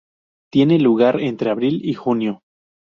Tiene lugar entre abril y junio.